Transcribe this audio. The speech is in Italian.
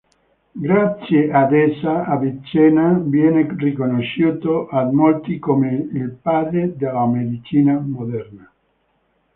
Grazie ad essa Avicenna viene riconosciuto da molti come "il padre della medicina moderna".